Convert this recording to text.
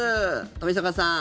冨坂さん。